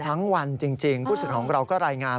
วันจริงผู้สุดของเราก็รายงาน